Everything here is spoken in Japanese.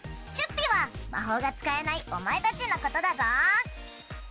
チュッピは魔法が使えないお前たちのことだぞ。